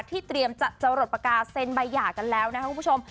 เตรียมจะหลดปากกาเซ็นใบหย่ากันแล้วนะครับคุณผู้ชม